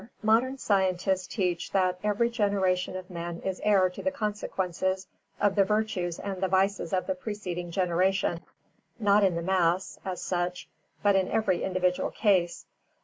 Modern scientists teach that every generation of men is heir to the consequences of the virtues and the vices of the preceding generation, not in the mass, as such, but in every individual case.